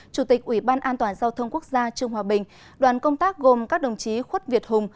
chủ tịch ủy ban an toàn giao thông quốc gia trương hòa bình đoàn công tác gồm các đồng chí khuất việt hùng